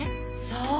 そう。